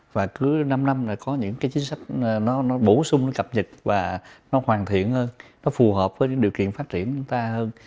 và cứ năm năm có những chính sách bổ sung cập nhật và hoàn thiện hơn phù hợp với điều kiện phát triển chúng ta hơn